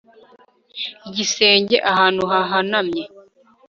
Igisenge ahantu hahanamye